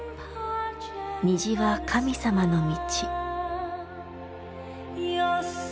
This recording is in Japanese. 虹は神様の道。